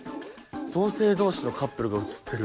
同性同士のカップルが写ってる。